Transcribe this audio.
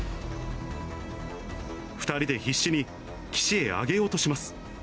２人で必死に岸へ上げようとします。